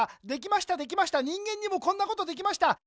できましたできました人間にもこんなことできました。